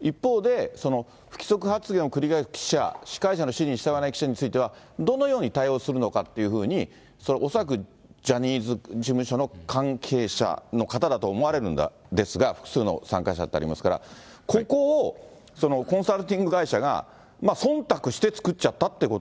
一方で不規則発言を繰り返す記者、司会者の指示に従わない記者については、どのように対応するのかというふうに、恐らくジャニーズ事務所の関係者の方だと思われるんですが、複数の参加者とありますから、ここをコンサルティング会社がそんたくして作っちゃったというこ